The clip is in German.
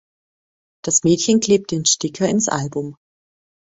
Das Mädchen klebt den Sticker ins Album.